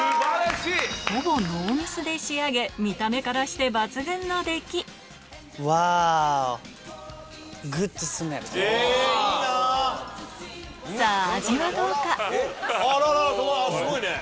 ほぼノーミスで仕上げ見た目からして抜群の出来いいなぁ！